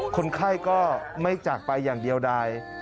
คนไข้ก็ไม่จากไปอย่างเดียวใด